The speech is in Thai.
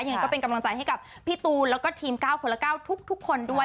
ยังไงก็เป็นกำลังใจให้กับพี่ตูนแล้วก็ทีม๙คนละ๙ทุกคนด้วย